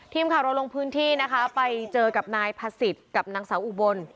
ทีมข่าวเราลงพื้นที่นะคะไปเจอกับนายพระศิษย์กับนางสาวอุบล